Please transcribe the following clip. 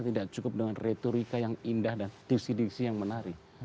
tidak cukup dengan retorika yang indah dan diksi diksi yang menarik